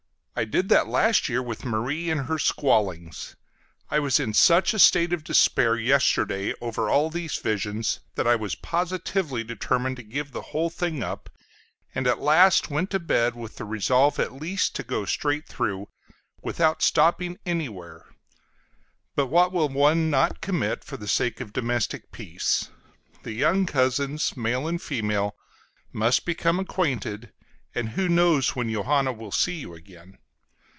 I did that last year with Marie and her squallings. I was in such a state of despair yesterday over all these visions that I was positively determined to give the whole thing up, and at last went to bed with the resolve at least to go straight through, without stopping anywhere; but what will one not commit for the sake of domestic peace? The young cousins, male and female, must become acquainted, and who knows when Johanna will see you again?